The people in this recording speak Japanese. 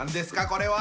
これは。